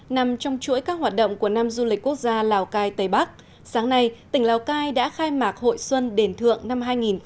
nằm trong chuỗi các hoạt động của năm du lịch quốc gia lào cai tây bắc sáng nay tỉnh lào cai đã khai mạc hội xuân đền thượng năm hai nghìn một mươi chín